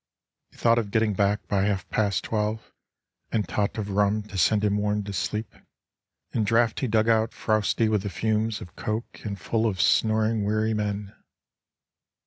He thought of getting back by half past twelve, And tot of rum to send him warm to sleep In draughty dug out frowsty with the fumes Of coke, and full of snoring weary men.